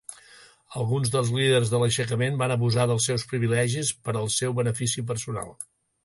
Alguns dels líders de l'aixecament van abusar dels seus privilegis per al seu benefici personal.